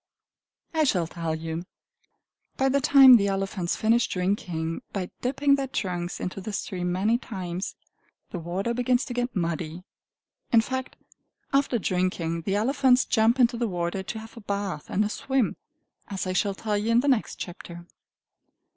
I shall tell you. By the time the elephants finish drinking by dipping their trunks into the stream many times, the water begins to get muddy. In fact, after drinking, the elephants jump into the water to have a bath and a swim, as I shall tell you in the next chapter.